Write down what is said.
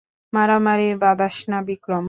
মারামারি বাঁধাস না, বিক্রম।